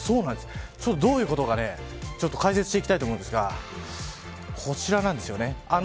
どういうことか解説していきたいと思うんですがこちらなんです。